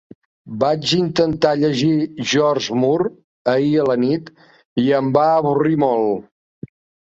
Vaig intentar llegir George Moore ahir a la nit, i em va avorrit molt.